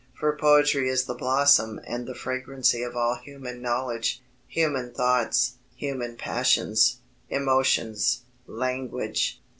For poetry is the blossom and the fragrancy of all human knowledge, human thoughts, human passions, emotions, language.